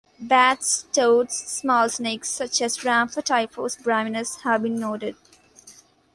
Bats, toads, small snakes such as "Ramphotyphlops braminus" have been noted.